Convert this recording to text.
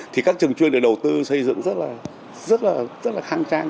thì các trường chuyên được đầu tư xây dựng rất là khang trang